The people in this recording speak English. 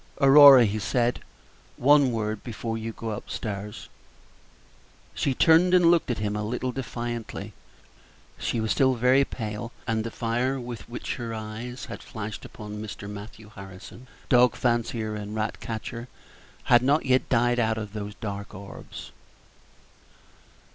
"Aurora," he said, "one word before you go up stairs." She turned and looked at him a little defiantly; she was still very pale, and the fire with which her eyes had flashed upon Mr. Matthew Harrison, dog fancier and rat catcher, had not yet died out of those dark orbs.